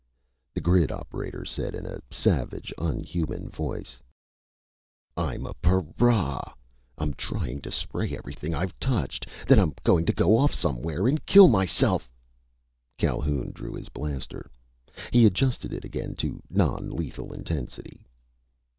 The grid operator said in a savage, unhuman voice: "I'm a para. I'm trying to spray everything I've touched. Then I'm going to go off somewhere and kill myself " Calhoun drew his blaster. He adjusted it again to non lethal intensity.